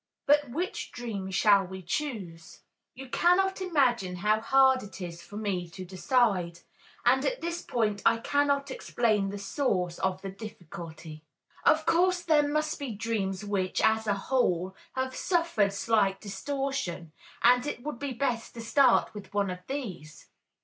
But which dream shall we choose? You cannot imagine how hard it is for me to decide, and at this point I cannot explain the source of the difficulty. Of course, there must be dreams which, as a whole, have suffered slight distortion, and it would be best to start with one of these.